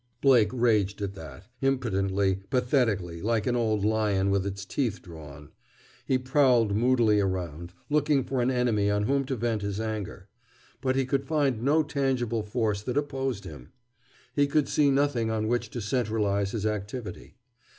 Blake raged at that, impotently, pathetically, like an old lion with its teeth drawn. He prowled moodily around, looking for an enemy on whom to vent his anger. But he could find no tangible force that opposed him. He could see nothing on which to centralize his activity.